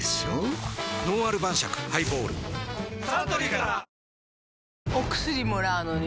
「のんある晩酌ハイボール」サントリーから！